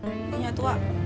ini ya tua